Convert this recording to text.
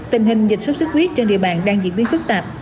tình hình dịch sốt xuất huyết trên địa bàn đang diễn biến phức tạp